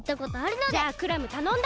じゃあクラムたのんだ！